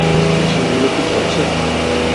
মেশিনগুলো কি চলছে?